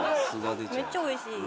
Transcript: めっちゃ美味しい。